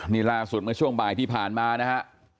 นี่ล่าสุดเมื่อช่วงบ่ายที่ผ่านมานะฮะ